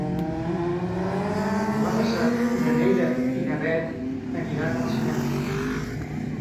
Demà passat na Neida i na Bet aniran al cinema.